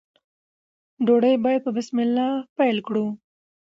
ډوډۍ باید په بسم الله پیل کړو.